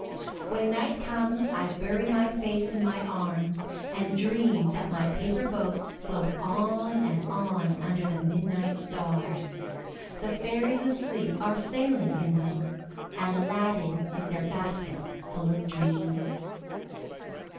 When night comes I bury my face in my arms and dream that my paper boats float on and on under the midnight stars. The fairies of sleep are sailing in them, and the lading is their baskets full of dreams.